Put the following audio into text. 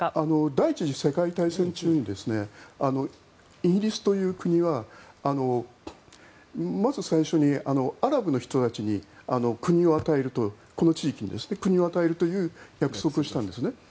第１次世界大戦中にイギリスという国はまず最初にアラブの人たちに国を与えるというこの地域に与えると約束をしたんです。